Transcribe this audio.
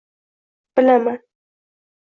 Bilaman